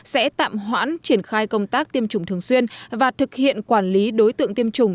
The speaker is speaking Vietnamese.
sẽ tạm hoãn triển khai công tác tiêm chủng thường xuyên và thực hiện quản lý đối tượng tiêm chủng